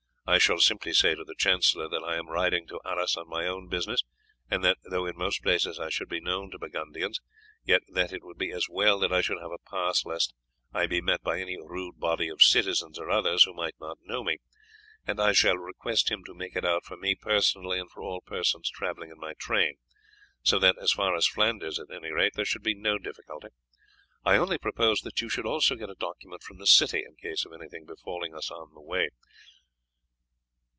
I shall simply say to the chancellor that I am riding to Arras on my own business, and that though in most places I should be known to Burgundians, yet that it would be as well that I should have a pass lest I be met by any rude body of citizens or others who might not know me, and I shall request him to make it out for me personally and for all persons travelling in my train. So that, as far as Flanders at any rate, there should be no difficulty. I only propose that you should also get a document from the city in case of anything befalling us on the way.